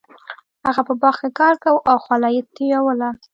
هغه په باغ کې کار کاوه او خوله یې تویوله.